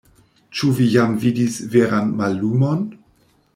Ĉu vi jam vidis veran mallumon?